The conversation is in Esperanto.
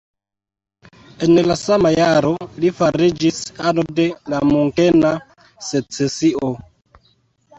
En la sama jaro li fariĝis ano de la Munkena Secesio.